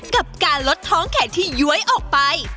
กับการลดท้องแขนที่ย้วยออกไป